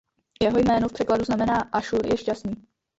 Jeho jméno v překladu znamená "Aššur je šťastný".